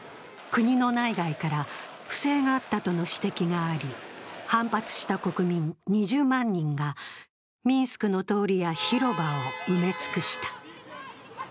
国の内外から不正があったとの指摘があり反発した国民２０万人がミンスクの通りや広場を埋め尽くした。